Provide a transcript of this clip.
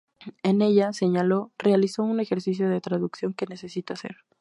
En ella, señaló, "realizó un ejercicio de traducción que necesito hacer".